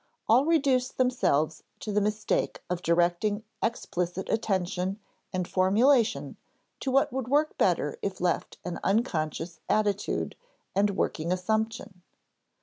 112), all reduce themselves to the mistake of directing explicit attention and formulation to what would work better if left an unconscious attitude and working assumption.